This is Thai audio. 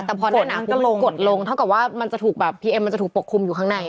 แต่พอหน้านาวกดลงนะหรือเปล่าคำว่ามันจะถูกแบบพีเอ็มโปรดลง